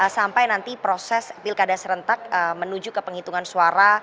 sampai nanti proses pilkada serentak menuju ke penghitungan suara